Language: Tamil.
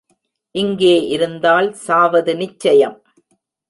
இங்கே இருந்தால், சாவது நிச்சயம்.